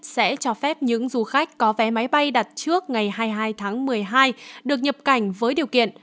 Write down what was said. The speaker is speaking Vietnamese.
sẽ cho phép những du khách có vé máy bay đặt trước ngày hai mươi hai tháng một mươi hai được nhập cảnh với điều kiện